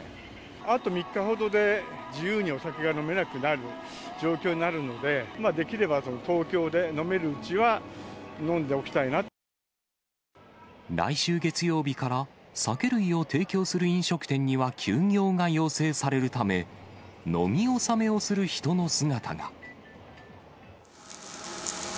あと３日ほどで、自由にお酒が飲めなくなる状況になるので、できれば東京で飲めるうちは飲ん来週月曜日から、酒類を提供する飲食店には休業が要請されるため、飲み納めをする人の姿が。